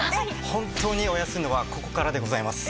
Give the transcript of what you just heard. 本当にお安いのはここからでございます。